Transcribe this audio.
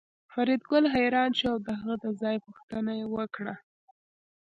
فریدګل حیران شو او د هغه د ځای پوښتنه یې وکړه